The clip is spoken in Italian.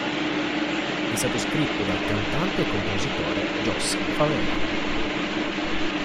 È stato scritto dal cantante e compositore Joss Favela.